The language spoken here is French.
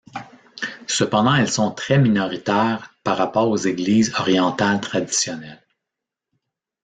Cependant elles sont très minoritaires par rapport aux Églises orientales traditionnelles.